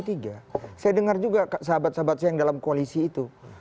saya dengar juga sahabat sahabat saya yang dalam koalisi itu